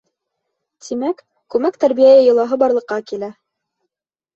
Тимәк, күмәк тәрбиә йолаһы барлыҡҡа килә.